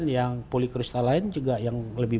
yang polycrystalline juga yang lebih